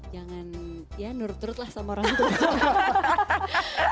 jangan ya nurut urut lah sama orang lain